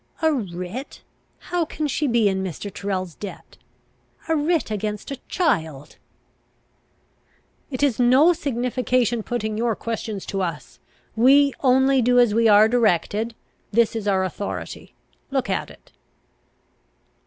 "A writ? How can she be in Mr. Tyrrel's debt? A writ against a child!" "It is no signification putting your questions to us. We only do as we are directed. There is our authority. Look at it."